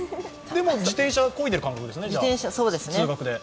でも自転車こいでる感覚ですね、通学で。